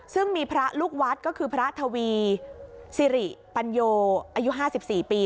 ซึ่งมีพระลูกวัดก็คือพระทวีสิริปัญโยอายุ๕๔ปี